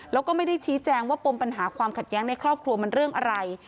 แล้วก็ไม่ได้ชี้แจงว่าปมปัญหาความขัดแย้งในครอบครัวมันเรื่องอะไร